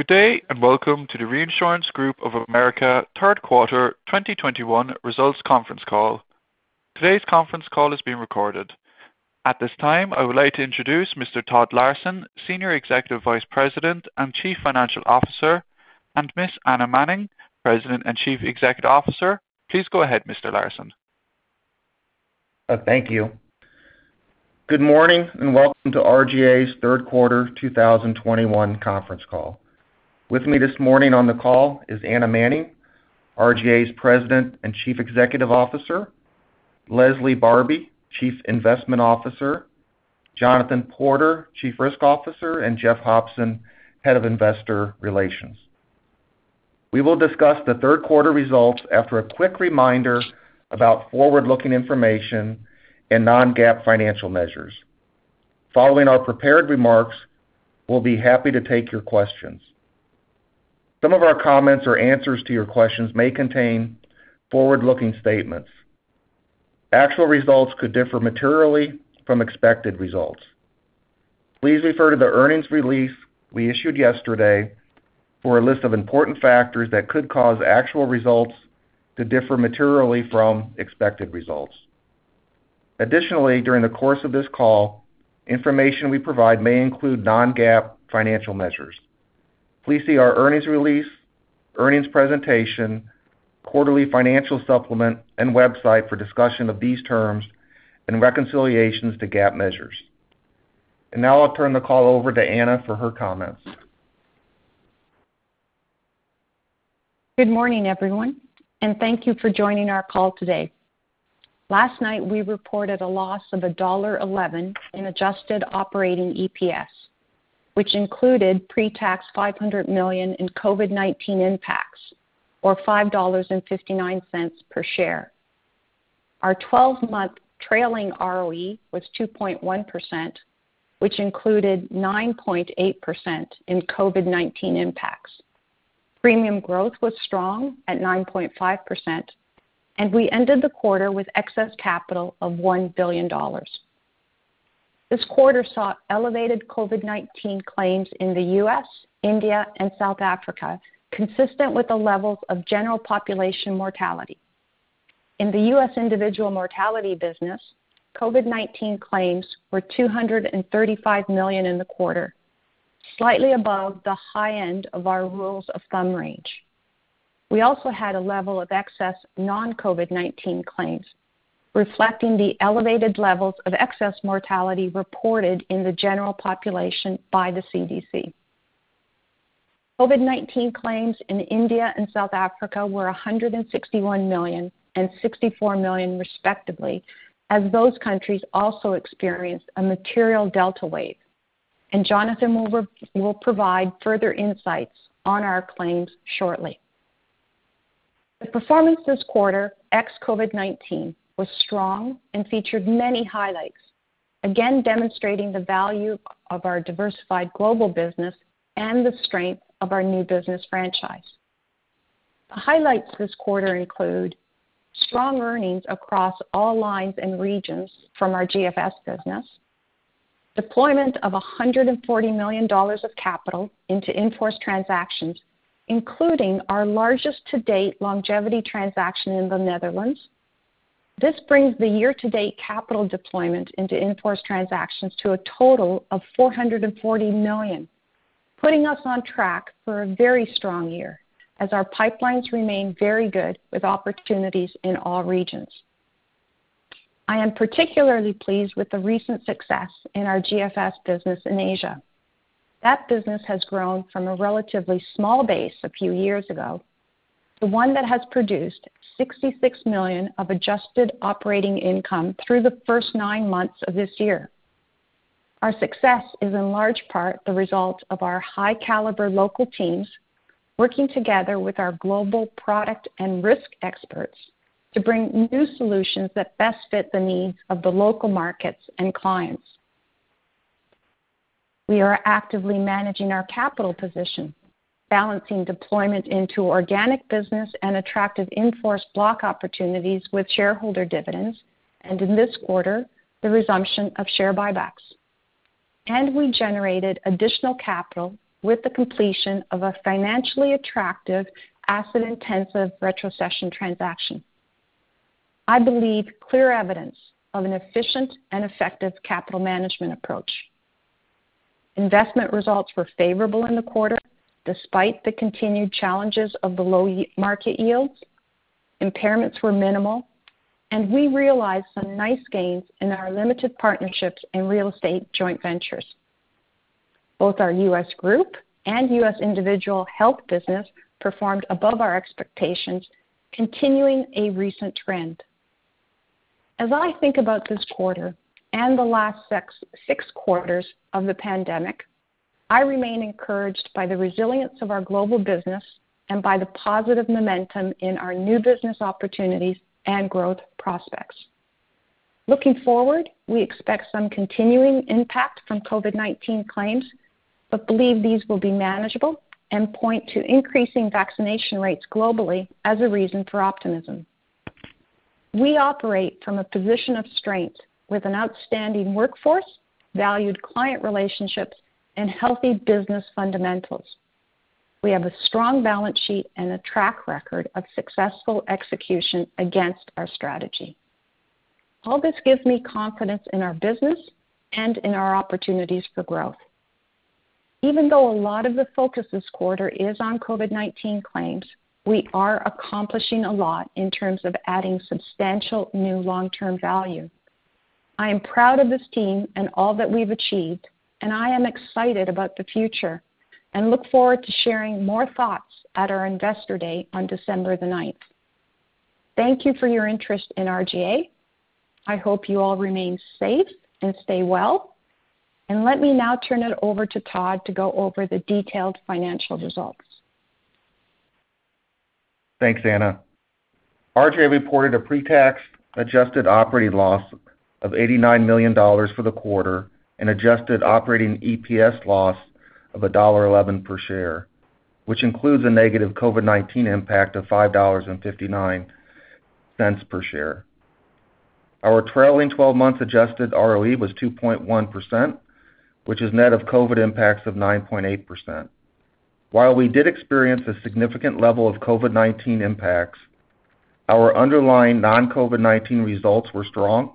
Good day, and welcome to the Reinsurance Group of America Q3 2021 Results Conference Call. Today's conference call is being recorded. At this time, I would like to introduce Mr. Todd Larson, Senior Executive Vice President and Chief Financial Officer, and Ms. Anna Manning, President and Chief Executive Officer. Please go ahead, Mr. Larson. Thank you. Good morning, and welcome to RGA's Q3 2021 Conference Call. With me this morning on the call is Anna Manning, RGA's President and Chief Executive Officer, Leslie Barbi, Chief Investment Officer, Jonathan Porter, Chief Risk Officer, and Jeff Hopson, Head of Investor Relations. We will discuss the Q3 results after a quick reminder about forward-looking information and non-GAAP financial measures. Following our prepared remarks, we'll be happy to take your questions. Some of our comments or answers to your questions may contain forward-looking statements. Actual results could differ materially from expected results. Please refer to the earnings release we issued yesterday for a list of important factors that could cause actual results to differ materially from expected results. Additionally, during the course of this call, information we provide may include non-GAAP financial measures. Please see our earnings release, earnings presentation, quarterly financial supplement, and website for discussion of these terms and reconciliations to GAAP measures. Now I'll turn the call over to Anna for her comments. Good morning, everyone, and thank you for joining our call today. Last night we reported a loss of $1.11 in adjusted operating EPS, which included pre-tax $500 million in COVID-19 impacts, or $5.59 per share. Our 12-month trailing ROE was 2.1%, which included 9.8% in COVID-19 impacts. Premium growth was strong at 9.5%, and we ended the quarter with excess capital of $1 billion. This quarter saw elevated COVID-19 claims in the U.S., India, and South Africa, consistent with the levels of general population mortality. In the U.S. individual mortality business, COVID-19 claims were $235 million in the quarter, slightly above the high end of our rules of thumb range. We also had a level of excess non-COVID-19 claims, reflecting the elevated levels of excess mortality reported in the general population by the CDC. COVID-19 claims in India and South Africa were $161 million and $64 million, respectively, as those countries also experienced a material Delta wave, and Jonathan will provide further insights on our claims shortly. The performance this quarter, ex COVID-19, was strong and featured many highlights, again demonstrating the value of our diversified global business and the strength of our new business franchise. The highlights this quarter include strong earnings across all lines and regions from our GFS business, deployment of $140 million of capital into in-force transactions, including our largest to-date longevity transaction in the Netherlands. This brings the year-to-date capital deployment into in-force transactions to a total of $440 million, putting us on track for a very strong year as our pipelines remain very good with opportunities in all regions. I am particularly pleased with the recent success in our GFS business in Asia. That business has grown from a relatively small base a few years ago to one that has produced $66 million of adjusted operating income through the first 9 months of this year. Our success is in large part the result of our high caliber local teams working together with our global product and risk experts to bring new solutions that best fit the needs of the local markets and clients. We are actively managing our capital position, balancing deployment into organic business and attractive in-force block opportunities with shareholder dividends, and in this quarter, the resumption of share buybacks. We generated additional capital with the completion of a financially attractive asset-intensive retrocession transaction. I believe this is clear evidence of an efficient and effective capital management approach. Investment results were favorable in the quarter, despite the continued challenges of the low-yield market yields. Impairments were minimal, and we realized some nice gains in our limited partnerships in real estate joint ventures. Both our U.S. group and U.S. individual health business performed above our expectations, continuing a recent trend. As I think about this quarter and the last 6 quarters of the pandemic, I remain encouraged by the resilience of our global business and by the positive momentum in our new business opportunities and growth prospects. Looking forward, we expect some continuing impact from COVID-19 claims but believe these will be manageable and point to increasing vaccination rates globally as a reason for optimism. We operate from a position of strength with an outstanding workforce, valued client relationships, and healthy business fundamentals. We have a strong balance sheet and a track record of successful execution against our strategy. All this gives me confidence in our business and in our opportunities for growth. Even though a lot of the focus this quarter is on COVID-19 claims, we are accomplishing a lot in terms of adding substantial new long-term value. I am proud of this team and all that we've achieved, and I am excited about the future and look forward to sharing more thoughts at our Investor Day on December the 9th. Thank you for your interest in RGA. I hope you all remain safe and stay well. Let me now turn it over to Todd to go over the detailed financial results. Thanks, Anna. RGA reported a pre-tax adjusted operating loss of $89 million for the quarter and adjusted operating EPS loss of $1.11 per share, which includes a negative COVID-19 impact of $5.59 per share. Our trailing 12 months adjusted ROE was 2.1%, which is net of COVID impacts of 9.8%. While we did experience a significant level of COVID-19 impacts, our underlying non-COVID-19 results were strong,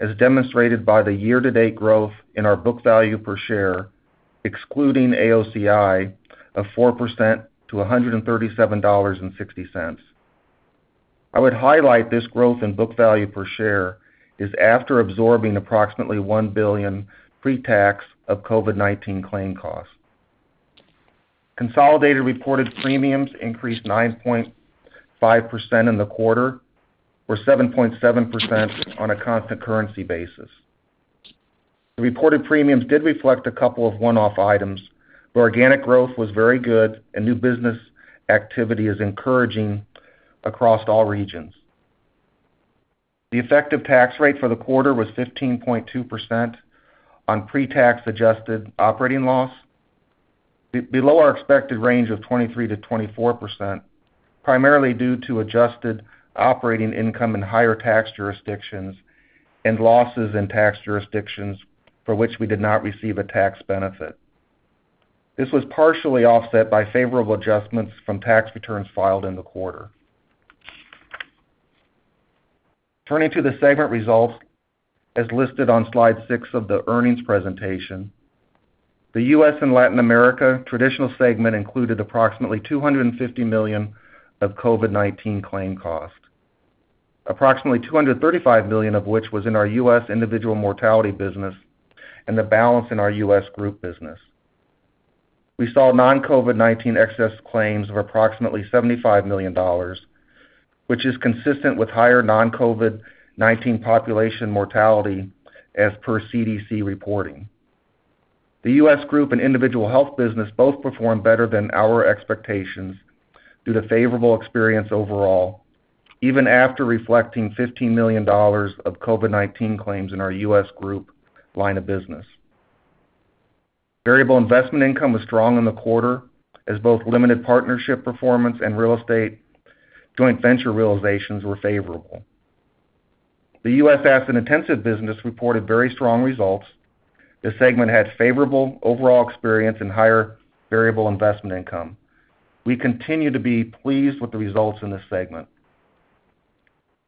as demonstrated by the year-to-date growth in our book value per share, excluding AOCI of 4%-$137.60. I would highlight this growth in book value per share is after absorbing approximately $1 billion pre-tax of COVID-19 claim costs. Consolidated reported premiums increased 9.5% in the quarter, or 7.7% on a constant currency basis. The reported premiums did reflect a couple of one-off items, but organic growth was very good and new business activity is encouraging across all regions. The effective tax rate for the quarter was 15.2% on pre-tax adjusted operating loss below our expected range of 23%-24%, primarily due to adjusted operating income in higher tax jurisdictions and losses in tax jurisdictions for which we did not receive a tax benefit. This was partially offset by favorable adjustments from tax returns filed in the quarter. Turning to the segment results as listed on slide 6 of the earnings presentation. The U.S. and Latin America Traditional segment included approximately $250 million of COVID-19 claim costs, approximately $235 million of which was in our U.S. individual mortality business and the balance in our U.S. Group business. We saw non-COVID-19 excess claims of approximately $75 million, which is consistent with higher non-COVID-19 population mortality as per CDC reporting. The U.S. Group and Individual Health business both performed better than our expectations due to favorable experience overall, even after reflecting $15 million of COVID-19 claims in our U.S. Group line of business. Variable investment income was strong in the quarter as both limited partnership performance and real estate joint venture realizations were favorable. The U.S. Asset Intensive business reported very strong results. This segment had favorable overall experience in higher variable investment income. We continue to be pleased with the results in this segment.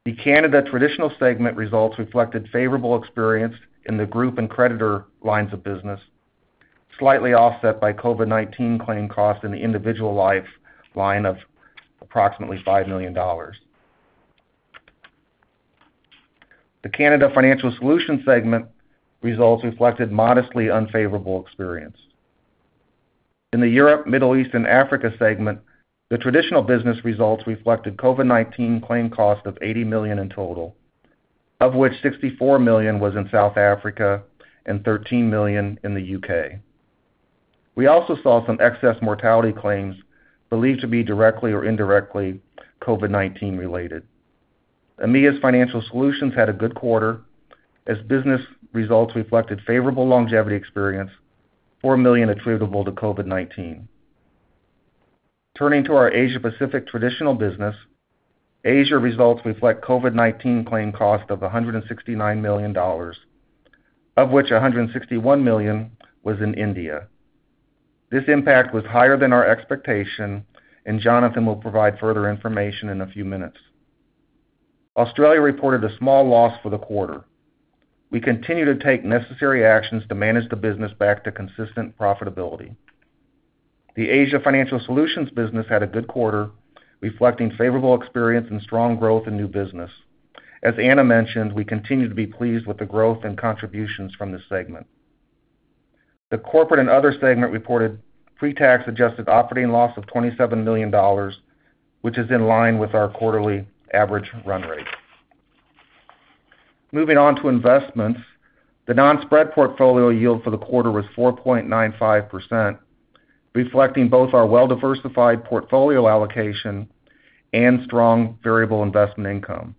The Canada Traditional segment results reflected favorable experience in the Group and Creditor lines of business, slightly offset by COVID-19 claim costs in the Individual Life line of approximately $5 million. The Canada Financial Solution segment results reflected modestly unfavorable experience. In the Europe, Middle East, and Africa segment, the Traditional business results reflected COVID-19 claim costs of $80 million in total, of which $64 million was in South Africa and $13 million in the U.K. We also saw some excess mortality claims believed to be directly or indirectly COVID-19 related. EMEA's Financial Solutions had a good quarter as business results reflected favorable longevity experience, $4 million attributable to COVID-19. Turning to our Asia Pacific Traditional business, Asia results reflect COVID-19 claim cost of $169 million, of which $161 million was in India. This impact was higher than our expectation, and Jonathan will provide further information in a few minutes. Australia reported a small loss for the quarter. We continue to take necessary actions to manage the business back to consistent profitability. The Asia Financial Solutions business had a good quarter, reflecting favorable experience and strong growth in new business. As Anna mentioned, we continue to be pleased with the growth and contributions from this segment. The Corporate and Other segment reported pretax adjusted operating loss of $27 million, which is in line with our quarterly average run rate. Moving on to investments. The non-spread portfolio yield for the quarter was 4.95%, reflecting both our well-diversified portfolio allocation and strong variable investment income,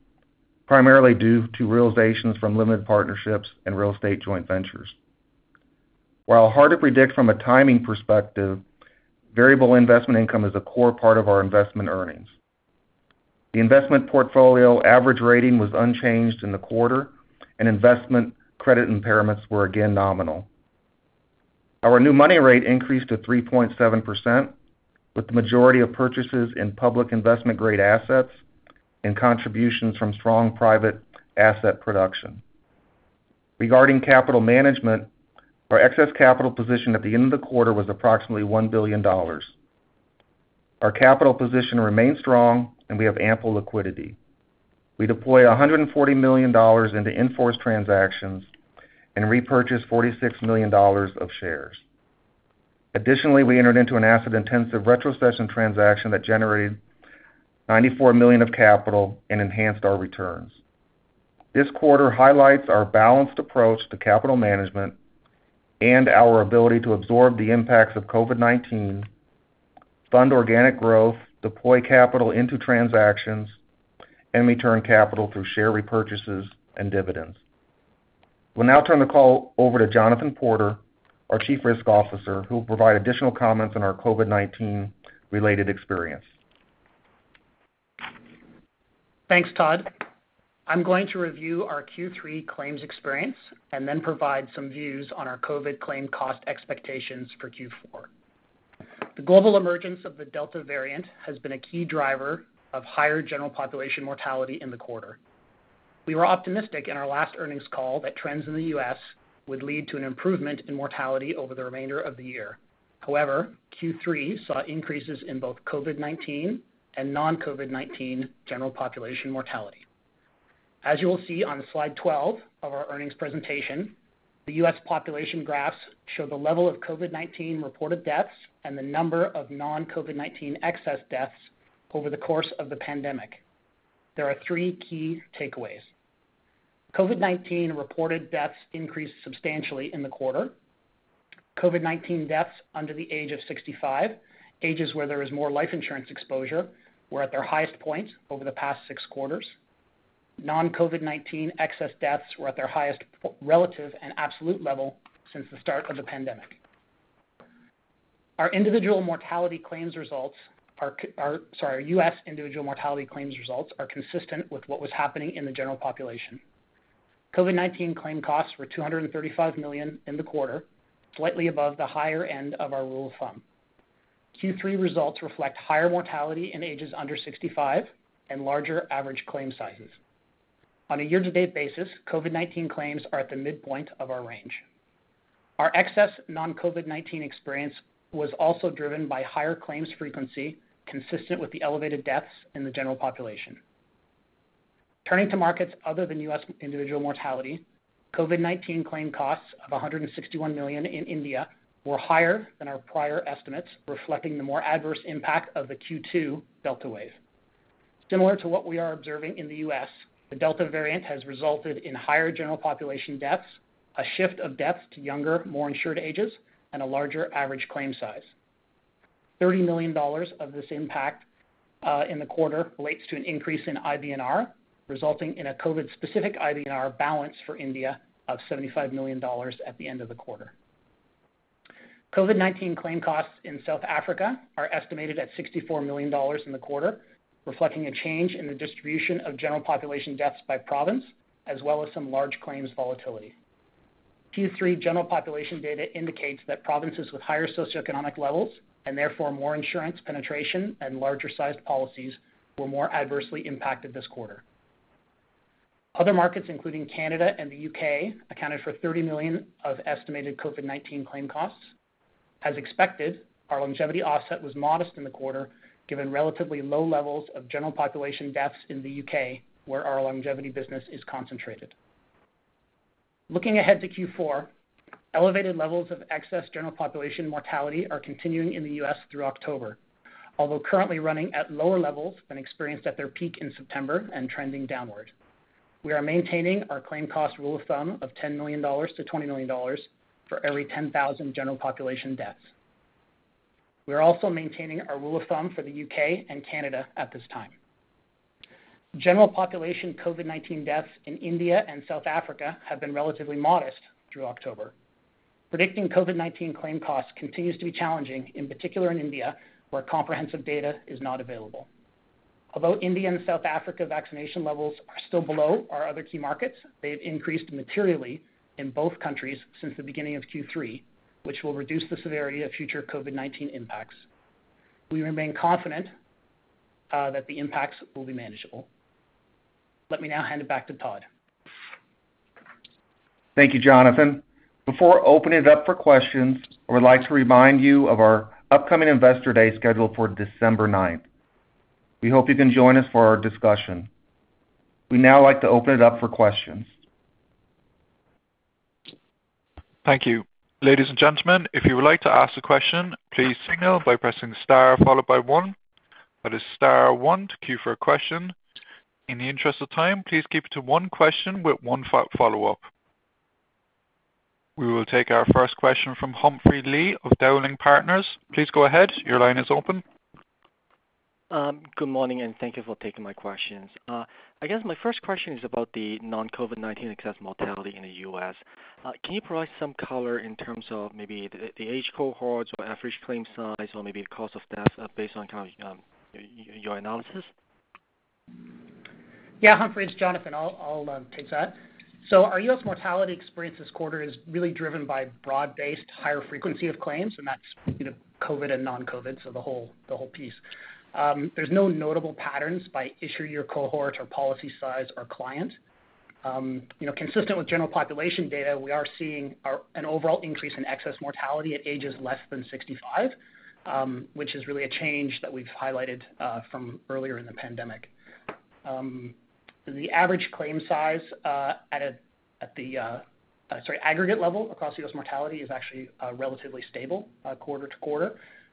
primarily due to realizations from limited partnerships and real estate joint ventures. While hard to predict from a timing perspective, variable investment income is a core part of our investment earnings. The investment portfolio average rating was unchanged in the quarter, and investment credit impairments were again nominal. Our new money rate increased to 3.7%, with the majority of purchases in public investment grade assets and contributions from strong private asset production. Regarding capital management, our excess capital position at the end of the quarter was approximately $1 billion. Our capital position remains strong and we have ample liquidity. We deployed $140 million into in-force transactions and repurchased $46 million of shares. Additionally, we entered into an asset-intensive retrocession transaction that generated $94 million of capital and enhanced our returns. This quarter highlights our balanced approach to capital management and our ability to absorb the impacts of COVID-19, fund organic growth, deploy capital into transactions, and return capital through share repurchases and dividends. We'll now turn the call over to Jonathan Porter, our Chief Risk Officer, who will provide additional comments on our COVID-19 related experience. Thanks, Todd. I'm going to review our Q3 claims experience and then provide some views on our COVID claim cost expectations for Q4. The global emergence of the Delta variant has been a key driver of higher general population mortality in the quarter. We were optimistic in our last earnings call that trends in the U.S. would lead to an improvement in mortality over the remainder of the year. However, Q3 saw increases in both COVID-19 and non-COVID-19 general population mortality. As you will see on slide 12 of our earnings presentation, the U.S. population graphs show the level of COVID-19 reported deaths and the number of non-COVID-19 excess deaths over the course of the pandemic. There are three key takeaways. COVID-19 reported deaths increased substantially in the quarter. COVID-19 deaths under the age of 65, ages where there is more life insurance exposure, were at their highest point over the past 6 quarters. Non-COVID-19 excess deaths were at their highest relative and absolute level since the start of the pandemic. Our U.S. individual mortality claims results are consistent with what was happening in the general population. COVID-19 claim costs were $235 million in the quarter, slightly above the higher end of our rule of thumb. Q3 results reflect higher mortality in ages under 65 and larger average claim sizes. On a year-to-date basis, COVID-19 claims are at the midpoint of our range. Our excess non-COVID-19 experience was also driven by higher claims frequency, consistent with the elevated deaths in the general population. Turning to markets other than U.S. individual mortality, COVID-19 claim costs of $161 million in India were higher than our prior estimates, reflecting the more adverse impact of the Q2 Delta wave. Similar to what we are observing in the U.S., the Delta variant has resulted in higher general population deaths, a shift of deaths to younger, more insured ages, and a larger average claim size. $30 million of this impact in the quarter relates to an increase in IBNR, resulting in a COVID specific IBNR balance for India of $75 million at the end of the quarter. COVID-19 claim costs in South Africa are estimated at $64 million in the quarter, reflecting a change in the distribution of general population deaths by province, as well as some large claims volatility. Q3 general population data indicates that provinces with higher socioeconomic levels, and therefore more insurance penetration and larger-sized policies, were more adversely impacted this quarter. Other markets, including Canada and the U.K., accounted for $30 million of estimated COVID-19 claim costs. As expected, our longevity offset was modest in the quarter, given relatively low levels of general population deaths in the U.K., where our longevity business is concentrated. Looking ahead to Q4, elevated levels of excess general population mortality are continuing in the U.S. through October. Although currently running at lower levels than experienced at their peak in September and trending downward, we are maintaining our claim cost rule of thumb of $10-20 million for every 10,000 general population deaths. We are also maintaining our rule of thumb for the U.K. and Canada at this time. General population COVID-19 deaths in India and South Africa have been relatively modest through October. Predicting COVID-19 claim costs continues to be challenging, in particular in India, where comprehensive data is not available. Although India and South Africa vaccination levels are still below our other key markets, they have increased materially in both countries since the beginning of Q3, which will reduce the severity of future COVID-19 impacts. We remain confident that the impacts will be manageable. Let me now hand it back to Todd. Thank you, Jonathan. Before opening it up for questions, I would like to remind you of our upcoming Investor Day scheduled for December 9. We hope you can join us for our discussion. We'd now like to open it up for questions. Thank you. Ladies and gentlemen, if you would like to ask a question, please signal by pressing star followed by one. That is star one to queue for a question. In the interest of time, please keep it to one question with one follow-up. We will take our first question from Humphrey Lee of Dowling & Partners. Please go ahead. Your line is open. Good morning, and thank you for taking my questions. I guess my first question is about the non-COVID-19 excess mortality in the U.S. Can you provide some color in terms of maybe the age cohorts or average claim size or maybe the cause of death, based on kind of your analysis? Yeah, Humphrey, it's Jonathan. I'll take that. Our U.S. mortality experience this quarter is really driven by broad-based higher frequency of claims, and that's COVID and non-COVID, so the whole piece. There's no notable patterns by issue year cohort or policy size or client. Consistent with general population data, we are seeing an overall increase in excess mortality at ages less than 65, which is really a change that we've highlighted from earlier in the pandemic. The average claim size at the aggregate level across U.S. mortality is actually relatively stable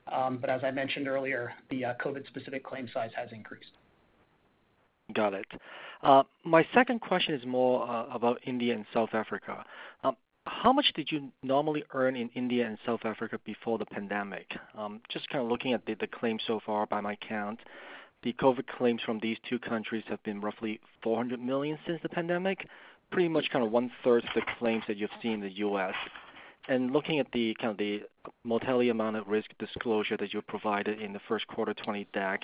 quarter-to-quarter. As I mentioned earlier, the COVID-specific claim size has increased. Got it. My second question is more about India and South Africa. How much did you normally earn in India and South Africa before the pandemic? Just kind of looking at the claims so far by my count, the COVID claims from these two countries have been roughly $400 million since the pandemic, pretty much kind of one-third of the claims that you've seen in the U.S. Looking at the kind of the mortality amount at risk disclosure that you provided in the Q1 2020 deck,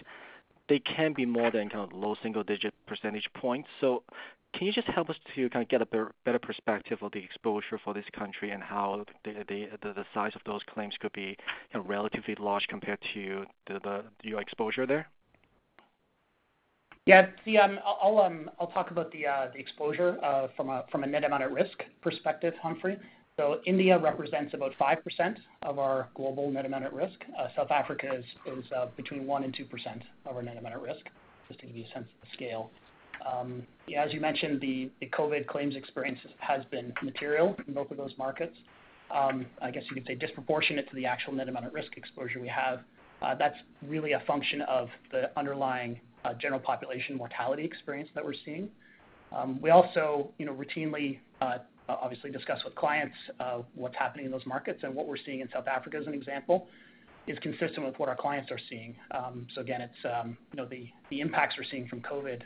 they can be more than kind of low single-digit percentage points. Can you just help us to kind of get a better perspective of the exposure for this country and how the size of those claims could be relatively large compared to your exposure there? I'll talk about the exposure from a net amount at risk perspective, Humphrey. India represents about 5% of our global net amount at risk. South Africa is between 1%-2% of our net amount at risk, just to give you a sense of the scale. As you mentioned, the COVID claims experience has been material in both of those markets. I guess you could say disproportionate to the actual net amount at risk exposure we have. That's really a function of the underlying general population mortality experience that we're seeing. We also routinely obviously discuss with clients what's happening in those markets. What we're seeing in South Africa, as an example, is consistent with what our clients are seeing. Again, it's the impacts we're seeing from COVID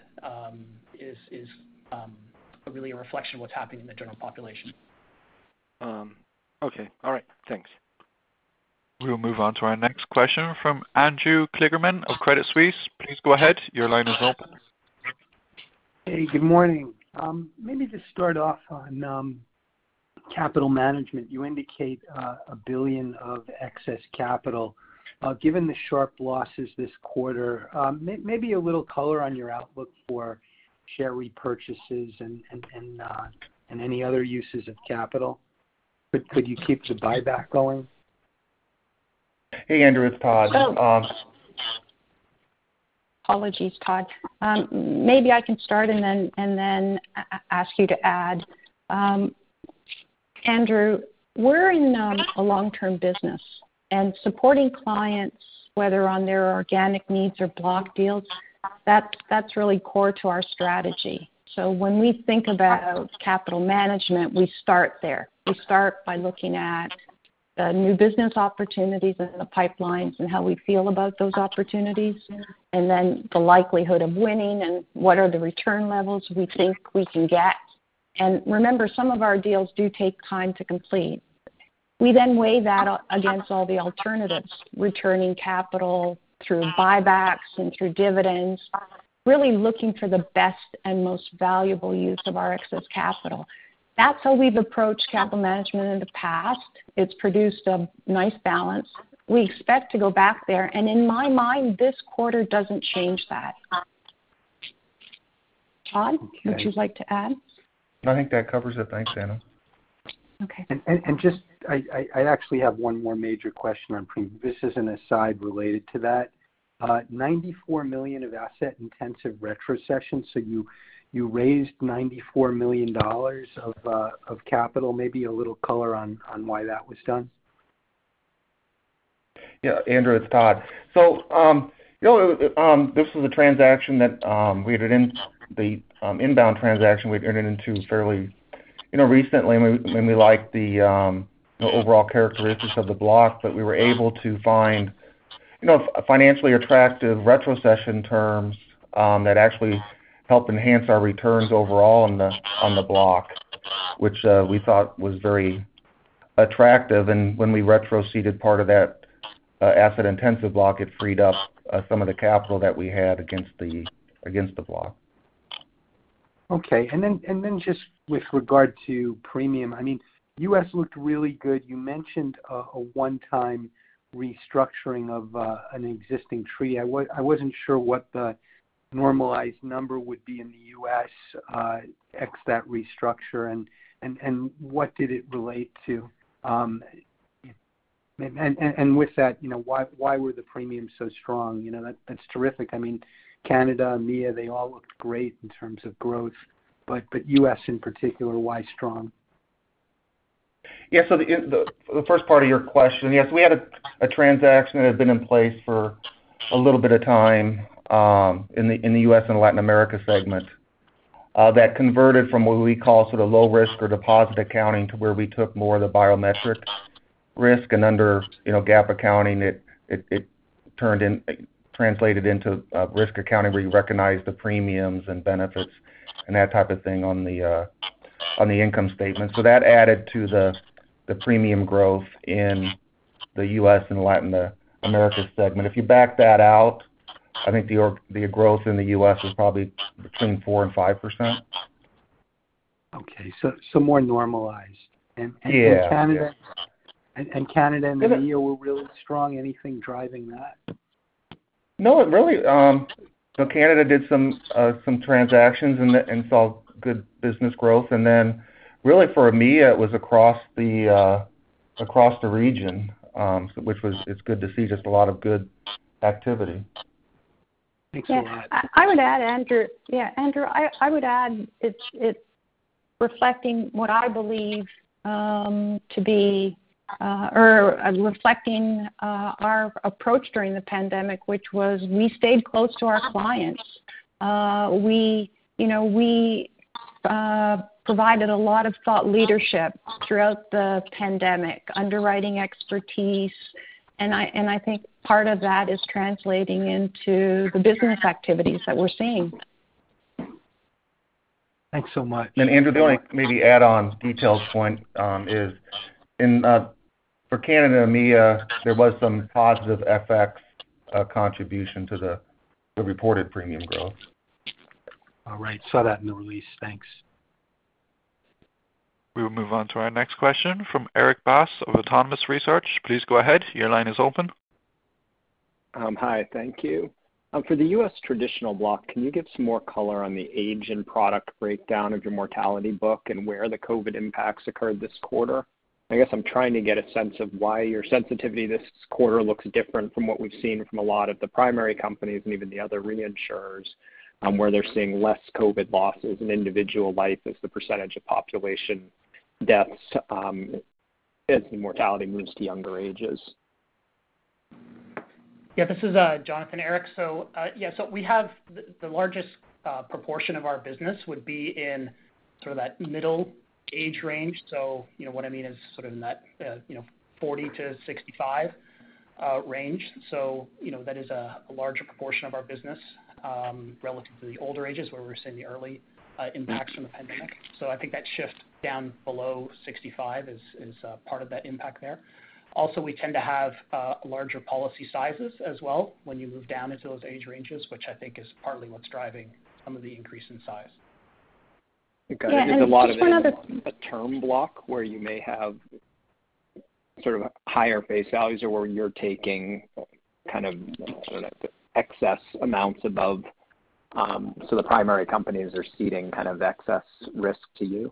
is really a reflection of what's happening in the general population. Okay. All right. Thanks. We'll move on to our next question from Andrew Kligerman of Credit Suisse. Please go ahead. Your line is open. Hey, good morning. Maybe just start off on capital management. You indicate $1 billion of excess capital. Given the sharp losses this quarter, maybe a little color on your outlook for share repurchases and any other uses of capital. Could you keep the buyback going? Hey, Andrew, it's Todd. Oh. Apologies, Todd. Maybe I can start and ask you to add. Andrew, we're in a long-term business, and supporting clients, whether on their organic needs or block deals, that's really core to our strategy. When we think about capital management, we start there. We start by looking at new business opportunities in the pipelines and how we feel about those opportunities, and then the likelihood of winning and what are the return levels we think we can get. Remember, some of our deals do take time to complete. We then weigh that against all the alternatives, returning capital through buybacks and through dividends, really looking for the best and most valuable use of our excess capital. That's how we've approached capital management in the past. It's produced a nice balance. We expect to go back there, and in my mind, this quarter doesn't change that. Todd, would you like to add? I think that covers it. Thanks, Anna. Okay. I actually have one more major question on premium. This is an aside related to that. $94 million of Asset Intensive retrocessions, so you raised $94 million of capital. Maybe a little color on why that was done. Yeah. Andrew, it's Todd. This was a transaction that we've entered into fairly recently when we liked the overall characteristics of the block. We were able to find financially attractive retrocession terms that actually helped enhance our returns overall on the block, which we thought was very attractive. When we retroceded part of that asset intensive block, it freed up some of the capital that we had against the block. Okay. Then just with regard to premium, I mean, U.S. looked really good. You mentioned a one-time restructuring of an existing treaty. I wasn't sure what the normalized number would be in the U.S. ex that restructure and what did it relate to. With that why were the premiums so strong? That's terrific. I mean, Canada, EMEA, they all looked great in terms of growth, but U.S. in particular, why strong? Yeah. The first part of your question, yes, we had a transaction that had been in place for a little bit of time in the U.S. and Latin America segment that converted from what we call sort of low risk or deposit accounting to where we took more of the biometric risk. Under GAAP accounting, it translated into risk accounting, where you recognize the premiums and benefits and that type of thing on the income statement. That added to the premium growth in the U.S. and Latin America segment. If you back that out, I think the growth in the U.S. was probably between 4% and 5%. Okay. More normalized. Yeah. Canada. And. Canada and EMEA were really strong. Anything driving that? No, it really. Canada did some transactions and saw good business growth. Really for EMEA, it was across the region, which was. It's good to see just a lot of good activity. Thanks so much. Yeah, I would add, Andrew. It's reflecting what I believe to be our approach during the pandemic, which was we stayed close to our clients. We provided a lot of thought leadership throughout the pandemic, underwriting expertise, and I think part of that is translating into the business activities that we're seeing. Thanks so much. Andrew, the only maybe add-on details point is in for Canada and EMEA, there was some positive FX contribution to the reported premium growth. All right. Saw that in the release. Thanks. We will move on to our next question from Erik Bass of Autonomous Research. Please go ahead. Your line is open. Hi. Thank you. For the U.S. traditional block, can you give some more color on the age and product breakdown of your mortality book and where the COVID impacts occurred this quarter? I guess I'm trying to get a sense of why your sensitivity this quarter looks different from what we've seen from a lot of the primary companies and even the other reinsurers, where they're seeing less COVID losses in individual life as the percentage of population deaths, as the mortality moves to younger ages. Yeah, this is Jonathan, Erik. We have the largest proportion of our business would be in sort of that middle age range. What I mean is sort of in that 40-65 range. That is a larger proportion of our business relative to the older ages where we're seeing the early impacts from the pandemic. I think that shift down below 65 is part of that impact there. Also, we tend to have larger policy sizes as well when you move down into those age ranges, which I think is partly what's driving some of the increase in size. Okay. Yeah, just one other. A term block where you may have sort of higher face values or where you're taking kind of, I don't know, excess amounts above, so the primary companies are ceding kind of excess risk to you?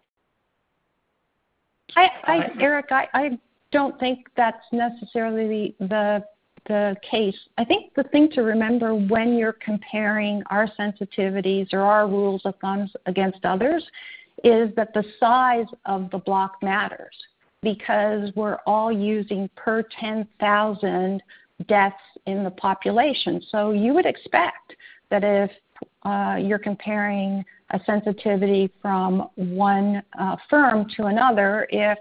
Erik, I don't think that's necessarily the case. I think the thing to remember when you're comparing our sensitivities or our rules of thumbs against others is that the size of the block matters because we're all using per 10,000 deaths in the population. You would expect that if you're comparing a sensitivity from one firm to another if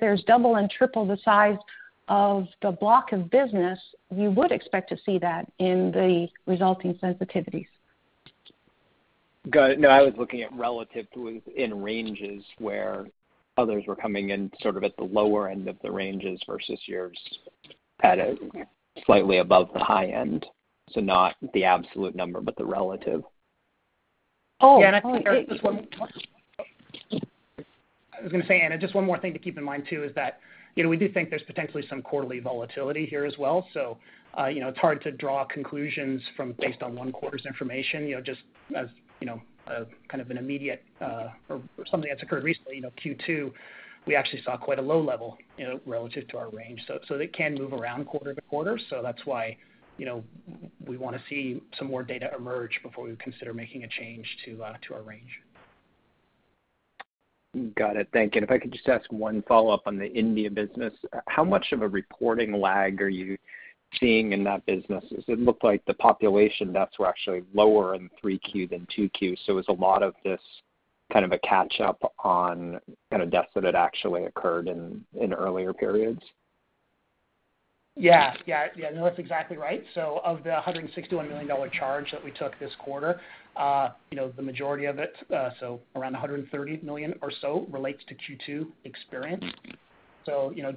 there's double and triple the size of the block of business, you would expect to see that in the resulting sensitivities. Got it. No, I was looking at relatively in ranges where others were coming in sort of at the lower end of the ranges versus yours at a slightly above the high end, so not the absolute number, but the relative. Oh. Yeah. I was gonna say, Erik, and just one more thing to keep in mind too is that we do think there's potentially some quarterly volatility here as well. So, it's hard to draw conclusions from based on one quarter's information just as, a kind of an immediate, or something that's occurred recently. Q2, we actually saw quite a low level relative to our range. So, they can move around quarter-to-quarter. So that's why we wanna see some more data emerge before we consider making a change to our range. Got it. Thank you. If I could just ask one follow-up on the India business. How much of a reporting lag are you seeing in that business? It looked like the population deaths were actually lower in Q3 than Q2. Is a lot of this kind of a catch-up on kind of deaths that had actually occurred in earlier periods? Yeah, no, that's exactly right. Of the $161 million charge that we took this quarter the majority of it, so around $130 million or so relates to Q2 experience.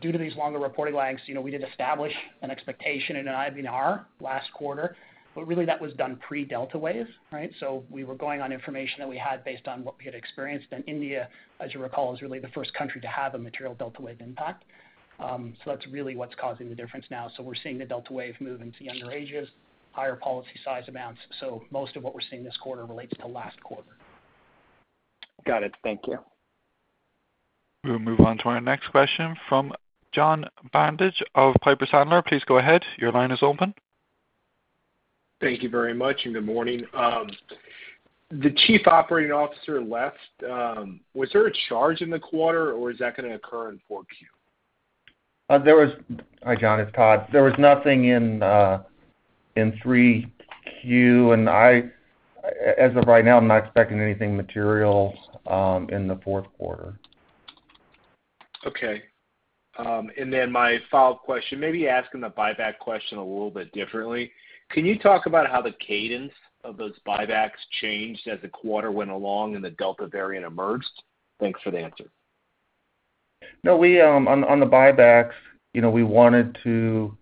Due to these longer reporting lags we did establish an expectation in an IBNR last quarter, but really that was done pre-Delta wave, right? We were going on information that we had based on what we had experienced. India, as you recall, is really the first country to have a material Delta wave impact. That's really what's causing the difference now. We're seeing the Delta wave move into younger ages, higher policy size amounts. Most of what we're seeing this quarter relates to last quarter. Got it. Thank you. We'll move on to our next question from John Barnidge of Piper Sandler. Please go ahead. Your line is open. Thank you very much, and good morning. The chief operating officer left, was there a charge in the quarter, or is that gonna occur in Q4? Hi, John, it's Todd. There was nothing in Q3. As of right now, I'm not expecting anything material in the Q4. Okay. My follow-up question, maybe asking the buyback question a little bit differently. Can you talk about how the cadence of those buybacks changed as the quarter went along, and the Delta variant emerged? Thanks for the answer. No, on the buybacks we wanted to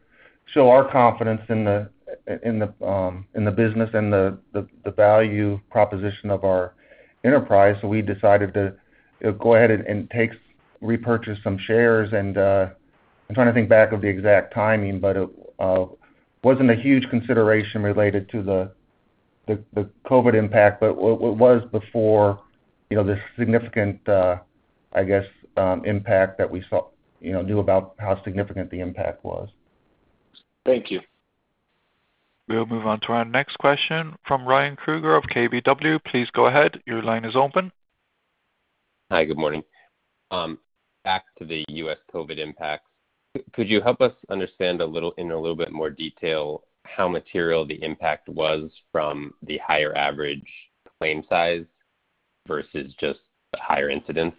show our confidence in the business and the value proposition of our enterprise. We decided to go ahead and repurchase some shares. I'm trying to think back of the exact timing, but it wasn't a huge consideration related to the COVID impact. What was before, the significant impact that we saw. We knew about how significant the impact was. Thank you. We'll move on to our next question from Ryan Krueger of KBW. Please go ahead. Your line is open. Hi. Good morning. Back to the U.S. COVID impacts. Could you help us understand a little, in a little bit more detail how material the impact was from the higher average claim size versus just the higher incidence?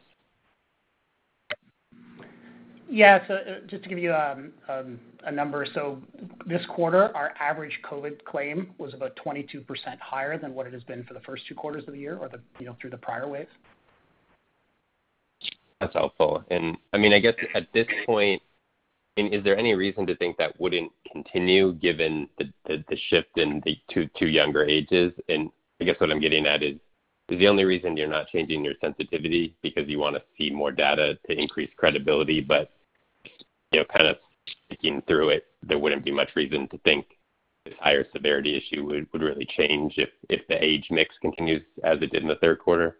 Just to give you a number. This quarter, our average COVID claim was about 22% higher than what it has been for the first 2 quarters of the year or the through the prior waves. That's helpful. I mean, I guess at this point, is there any reason to think that wouldn't continue given the shift in the two younger ages? I guess what I'm getting at is the only reason you're not changing your sensitivity because you wanna see more data to increase credibility. Kind of thinking through it, there wouldn't be much reason to think this higher severity issue would really change if the age mix continues as it did in the Q3.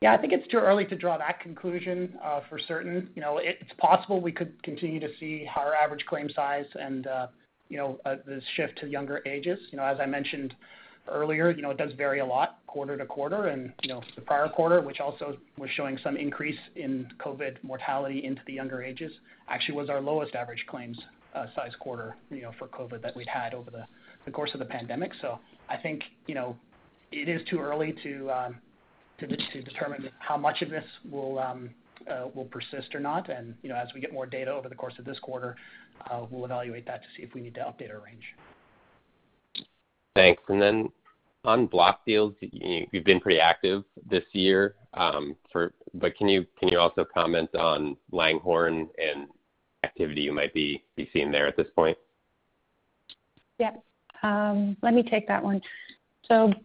Yeah, I think it's too early to draw that conclusion for certain. It's possible we could continue to see higher average claim size and the shift to younger ages. As I mentioned earlier it does vary a lot quarter-to-quarter. The prior quarter, which also was showing some increase in COVID mortality into the younger ages, actually was our lowest average claims size quarter for COVID that we'd had over the course of the pandemic. I think it is too early to determine how much of this will persist or not. As we get more data over the course of this quarter, we'll evaluate that to see if we need to update our range. Thanks. Then on block deals, you've been pretty active this year. Can you also comment on Langhorne and activity you might be seeing there at this point? Yeah. Let me take that one.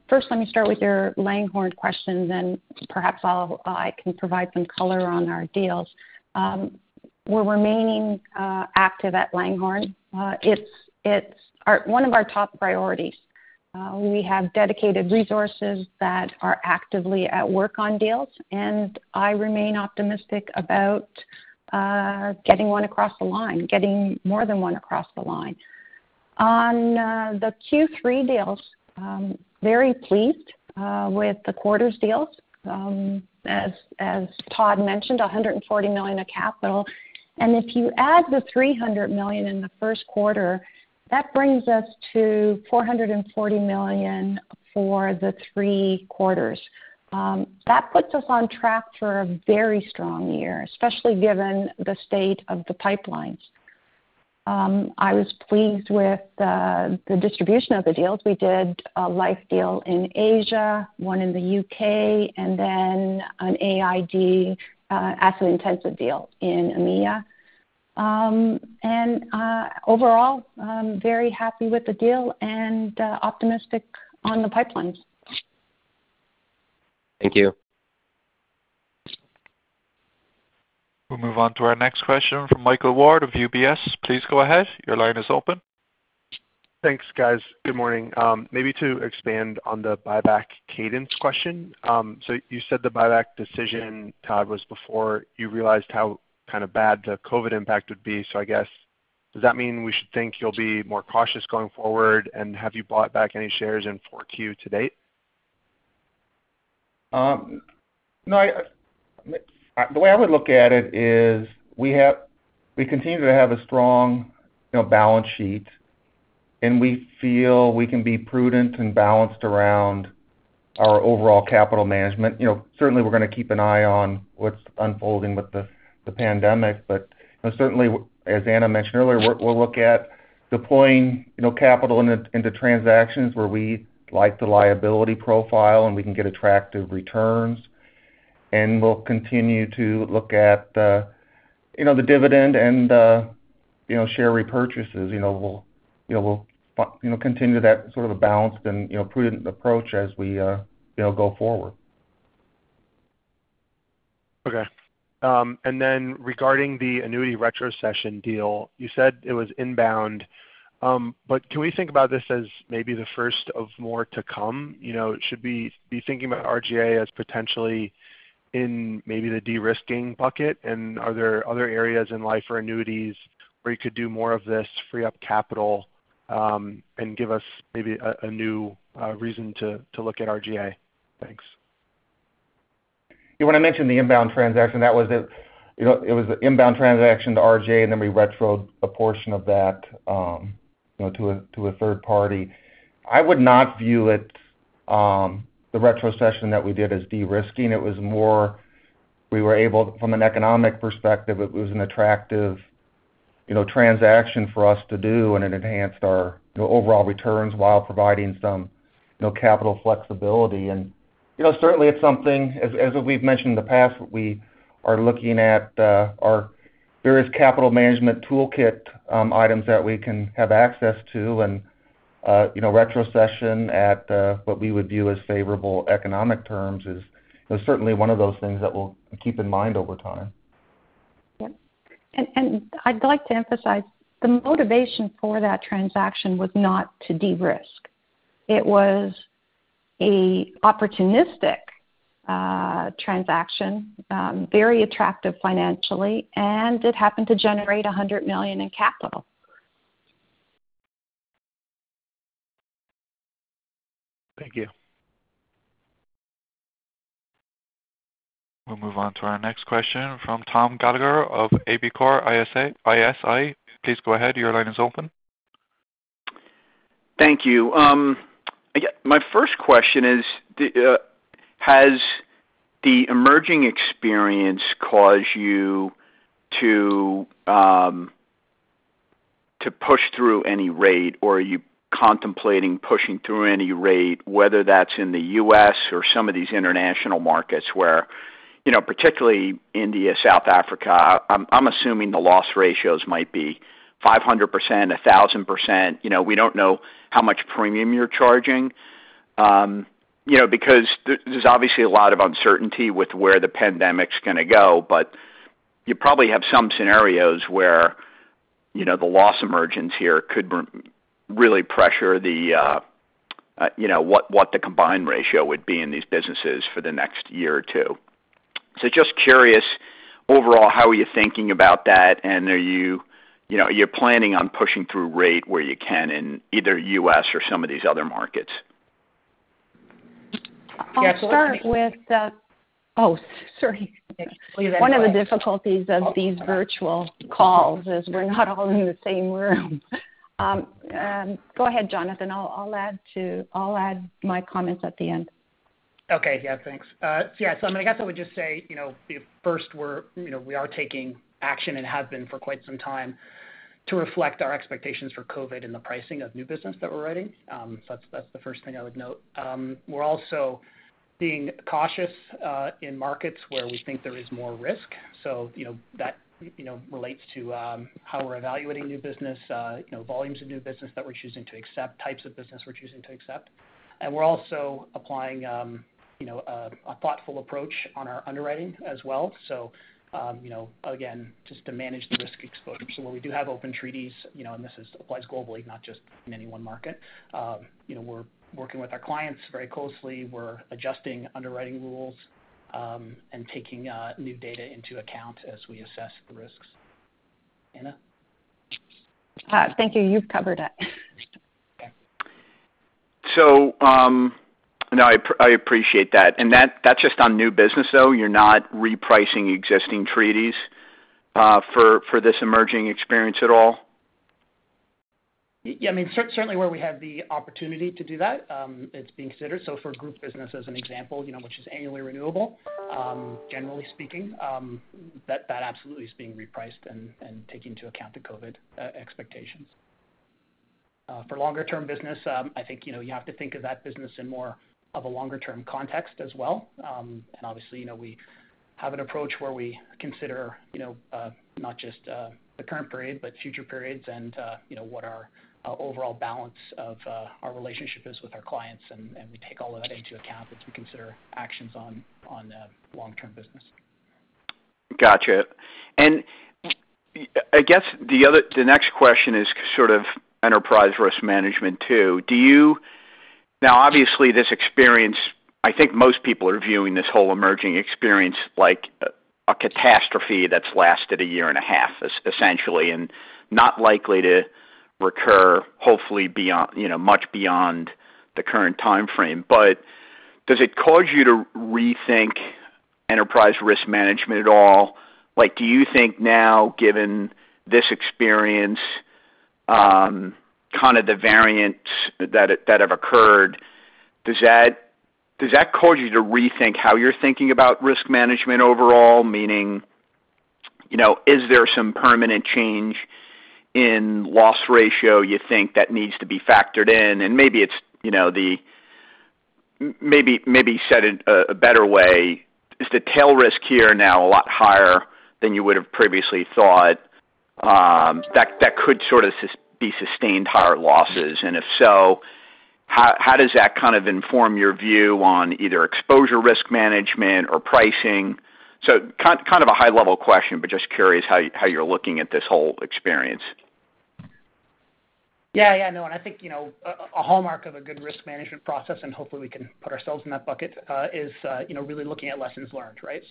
First, let me start with your Langhorne question, then I can provide some color on our deals. We're remaining active at Langhorne. It's one of our top priorities. We have dedicated resources that are actively at work on deals, and I remain optimistic about getting one across the line, getting more than one across the line. On the Q3 deals, very pleased with the quarter's deals. As Todd mentioned, $140 million of capital. If you add the $300 million in the Q1, that brings us to $440 million for the 3 quarters. That puts us on track for a very strong year, especially given the state of the pipelines. I was pleased with the distribution of the deals. We did a life deal in Asia, one in the U.K., and then an AI asset-intensive deal in EMEA. Overall, I'm very happy with the deal and optimistic on the pipelines. Thank you. We'll move on to our next question from Michael Ward of UBS. Please go ahead. Your line is open. Thanks, guys. Good morning. Maybe to expand on the buyback cadence question. You said the buyback decision, Todd, was before you realized how kind of bad the COVID impact would be. I guess, does that mean we should think you'll be more cautious going forward, and have you bought back any shares in Q4 to date? No, the way I would look at it is we continue to have a strong balance sheet, and we feel we can be prudent and balanced around our overall capital management. Certainly we're gonna keep an eye on what's unfolding with the pandemic. Certainly, as Anna mentioned earlier, we'll look at deploying capital into transactions where we like the liability profile and we can get attractive returns. We'll continue to look at the dividend and, share repurchases. We'll continue that sort of a balanced and, prudent approach as we go forward. Okay. Regarding the annuity retrocession deal, you said it was inbound. Can we think about this as maybe the first of more to come? Should we be thinking about RGA as potentially in maybe the de-risking bucket? Are there other areas in life or annuities where you could do more of this, free up capital, and give us maybe a new reason to look at RGA? Thanks. Yeah. When I mentioned the inbound transaction, that was it. It was the inbound transaction to RGA, and then we retro a portion of that, to a third party. I would not view it, the retrocession that we did as de-risking. It was more we were able, from an economic perspective, it was an attractive transaction for us to do, and it enhanced our overall returns while providing some capital flexibility. Certainly it's something as we've mentioned in the past, we are looking at our various capital management toolkit items that we can have access to and, retrocession at what we would view as favorable economic terms is certainly one of those things that we'll keep in mind over time. Yep. I'd like to emphasize, the motivation for that transaction was not to de-risk. It was a opportunistic transaction, very attractive financially, and it happened to generate $100 million in capital. Thank you. We'll move on to our next question from Thomas Gallagher of Evercore ISI. Please go ahead. Your line is open. Thank you. My first question is, has the emerging experience caused you to push through any rate, or are you contemplating pushing through any rate, whether that's in the U.S. or some of these international markets where particularly India, South Africa, I'm assuming the loss ratios might be 500%, 1,000%. We don't know how much premium you're charging because there's obviously a lot of uncertainty with where the pandemic's gonna go, but you probably have some scenarios where the loss emergence here could really pressure the what the combined ratio would be in these businesses for the next year or 2. Just curious, overall, how are you thinking about that, and are you're planning on pushing through rate where you can in either U.S. or some of these other markets? Oh, sorry. One of the difficulties of these virtual calls is we're not all in the same room. Go ahead, Jonathan. I'll add my comments at the end. Okay. Yeah, thanks. I guess I would just say first we are taking action and have been for quite some time to reflect our expectations for COVID in the pricing of new business that we're writing. That's the first thing I would note. We're also being cautious in markets where we think there is more risk. That relates to how we're evaluating new business volumes of new business that we're choosing to accept, types of business we're choosing to accept. We're also applying a thoughtful approach on our underwriting as well. Again, just to manage the risk exposure. When we do have open treaties and this applies globally, not just in any one market we're working with our clients very closely. We're adjusting underwriting rules, and taking new data into account as we assess the risks. Anna? Thank you. You've covered it. I appreciate that. That, that's just on new business, though? You're not repricing existing treaties for this emerging experience at all? Yeah, I mean, certainly where we have the opportunity to do that, it's being considered. For group business as an example which is annually renewable, generally speaking, that absolutely is being repriced and taking into account the COVID expectations. For longer term business, I think you have to think of that business in more of a longer term context as well. Obviously, we have an approach where we consider not just the current period, but future periods and, what our overall balance of our relationship is with our clients, and we take all of that into account as we consider actions on the long-term business. Gotcha. I guess the next question is sort of enterprise risk management too. Now obviously this experience, I think most people are viewing this whole emerging experience like a catastrophe that's lasted a year and a half, essentially, and not likely to recur, hopefully beyond much beyond the current timeframe. Does it cause you to rethink enterprise risk management at all? Do you think now given this experience, kind of the variants that have occurred, does that cause you to rethink how you're thinking about risk management overall? Meaning, is there some permanent change in loss ratio you think that needs to be factored in? Maybe it's, maybe said it a better way. Is the tail risk here now a lot higher than you would have previously thought, that could sort of be sustained higher losses? And if so, how does that kind of inform your view on either exposure risk management or pricing? Kind of a high level question, but just curious how you, how you're looking at this whole experience. Yeah, yeah. No. I think a hallmark of a good risk management process, and hopefully we can put ourselves in that bucket, is really looking at lessons learned, right?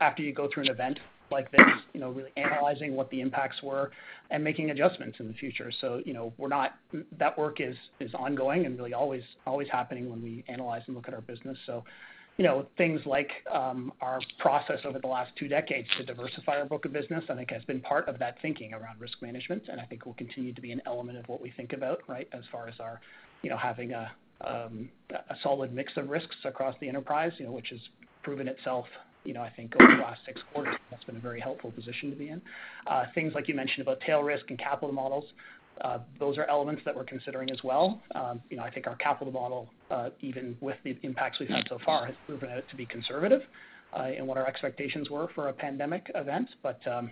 After you go through an event like this really analyzing what the impacts were and making adjustments in the future. That work is ongoing and really always happening when we analyze and look at our business. Things like our process over the last 2 decades to diversify our book of business, I think has been part of that thinking around risk management, and I think will continue to be an element of what we think about, right? As far as our having a solid mix of risks across the enterprise which has proven itself I think over the last 6 quarters, that's been a very helpful position to be in. Things like you mentioned about tail risk and capital models, those are elements that we're considering as well. I think our capital model, even with the impacts we've had so far, has proven it to be conservative, in what our expectations were for a pandemic event.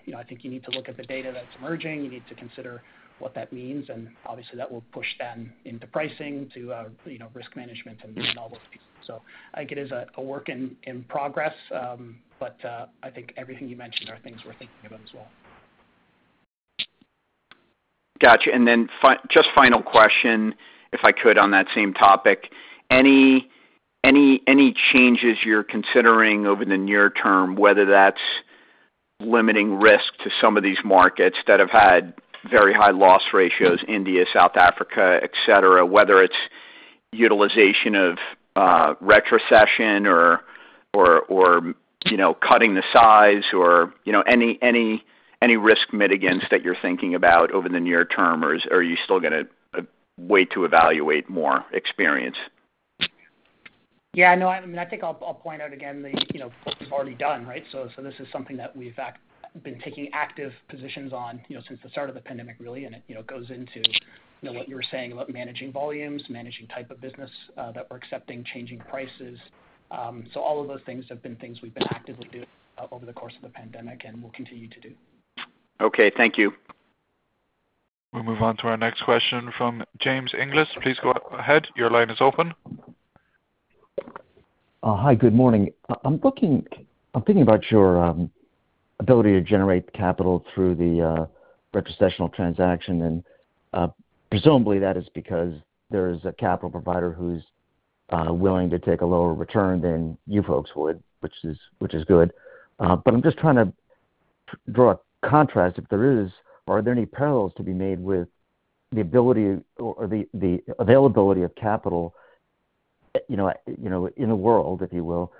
You need to look at the data that's emerging. You need to consider what that means, and obviously that will push then into pricing to risk management and all those pieces. I think it is a work in progress. I think everything you mentioned are things we're thinking about as well. Gotcha. Just final question, if I could, on that same topic. Any changes you're considering over the near term, whether that's limiting risk to some of these markets that have had very high loss ratios, India, South Africa, et cetera, whether it's utilization of retrocession or cutting the size or any risk mitigants that you're thinking about over the near term, or are you still gonna wait to evaluate more experience? Yeah, no, I mean, I think I'll point out again the what we've already done, right? This is something that we've been taking active positions on since the start of the pandemic really, and it goes into what you were saying about managing volumes, managing type of business, that we're accepting, changing prices. All of those things have been things we've been actively doing, over the course of the pandemic and will continue to do. Okay, thank you. We'll move on to our next question from James Inglis. Please go ahead. Your line is open. Hi, good morning. I'm thinking about your ability to generate capital through the retrocession transaction. Presumably that is because there is a capital provider who's willing to take a lower return than you folks would, which is good. I'm just trying to draw a contrast, if there is, are there any parallels to be made with the ability or the availability of capital in the world, if you will,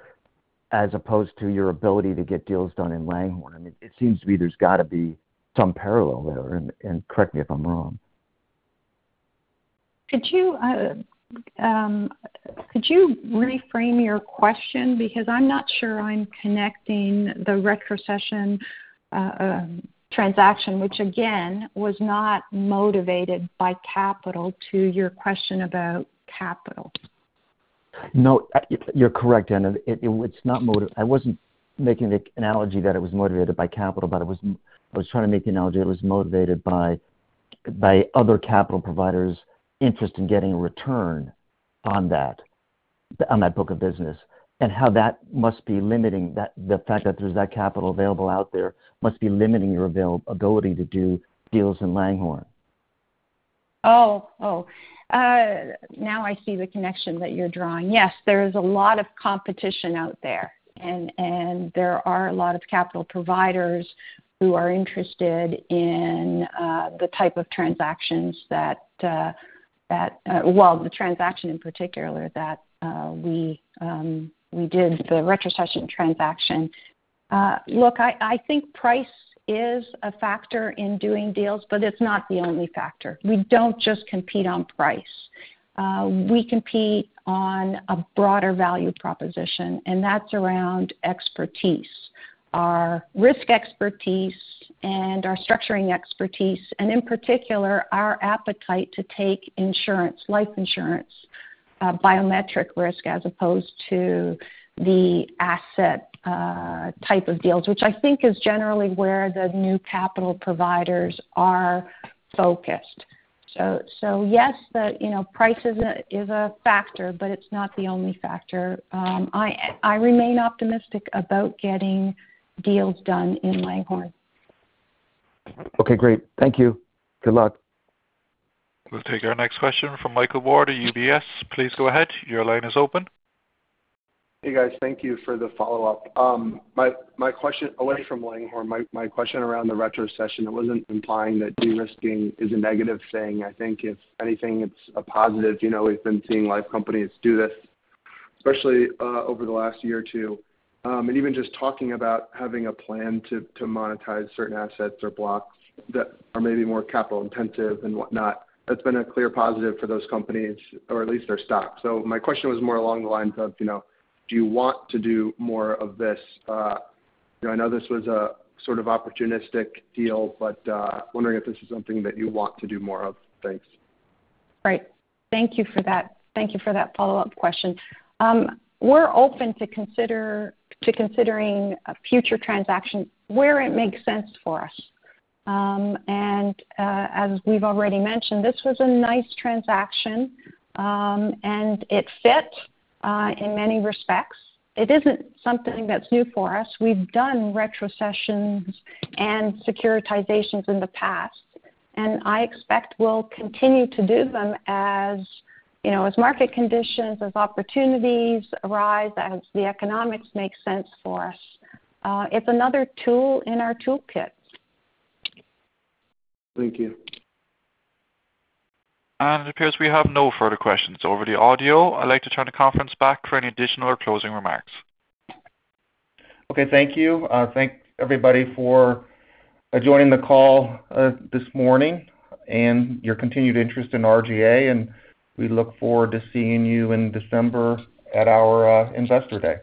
as opposed to your ability to get deals done in Langhorne? I mean, it seems to me there's gotta be some parallel there, and correct me if I'm wrong. Could you reframe your question? Because I'm not sure I'm connecting the retrocession transaction, which again, was not motivated by capital to your question about capital. No, you're correct. I wasn't making the analogy that it was motivated by capital, but I was trying to make the analogy that it was motivated by other capital providers' interest in getting return on that book of business, and how that must be limiting the fact that there's that capital available out there must be limiting your ability to do deals in Langhorne. Now I see the connection that you're drawing. Yes, there is a lot of competition out there, and there are a lot of capital providers who are interested in the type of transactions that well, the transaction in particular that we did, the retrocession transaction. Look, I think price is a factor in doing deals, but it's not the only factor. We don't just compete on price. We compete on a broader value proposition, and that's around expertise. Our risk expertise and our structuring expertise, and in particular, our appetite to take insurance, life insurance, biometric risk, as opposed to the asset type of deals, which I think is generally where the new capital providers are focused. Yes, price is a factor, but it's not the only factor. I remain optimistic about getting deals done in Langhorne. Okay, great. Thank you. Good luck. We'll take our next question from Michael Ward at UBS. Please go ahead. Your line is open. Hey, guys. Thank you for the follow-up. My question away from Langhorne, my question around the retrocession, it wasn't implying that de-risking is a negative thing. I think if anything, it's a positive. We've been seeing life companies do this, especially over the last year or 2. Even just talking about having a plan to monetize certain assets or blocks that are maybe more capital intensive and whatnot, that's been a clear positive for those companies or at least their stock. My question was more along the lines of do you want to do more of this? I know this was a sort of opportunistic deal, but wondering if this is something that you want to do more of. Thanks. Right. Thank you for that. Thank you for that follow-up question. We're open to considering a future transaction where it makes sense for us. As we've already mentioned, this was a nice transaction, and it fits in many respects. It isn't something that's new for us. We've done retrocessions and securitizations in the past, and I expect we'll continue to do them as market conditions, as opportunities arise, as the economics make sense for us. It's another tool in our toolkit. Thank you. It appears we have no further questions over the audio. I'd like to turn the conference back for any additional or closing remarks. Okay, thank you. Thank everybody for joining the call this morning and your continued interest in RGA, and we look forward to seeing you in December at our Investor Day.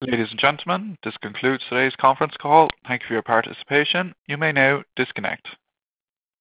Ladies and gentlemen, this concludes today's conference call. Thank you for your participation. You may now disconnect.